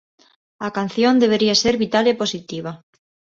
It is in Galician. A canción debería ser vital e positiva.